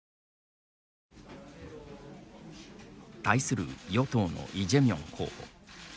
対する与党のイ・ジェミョン候補。